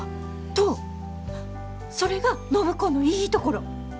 それが暢子のいいところ！